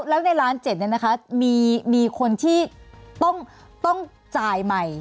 แล้วในล้าน๗เนี่ยนะคะมีคนที่ต้องจ่ายใหม่